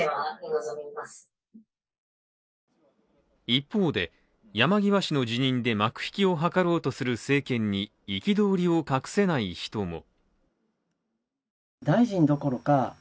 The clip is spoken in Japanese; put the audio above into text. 一方で、山際氏の辞任で幕引きを図ろうとする政権に憤りを隠せない人も。